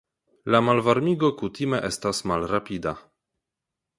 La malvarmigo kutime estas malrapida.